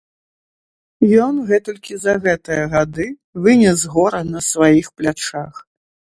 Ён гэтулькі за гэтыя гады вынес гора на сваіх плячах!